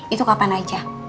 itu kapan aja